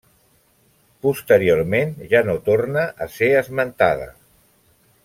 Posteriorment ja no torna a ser esmentada.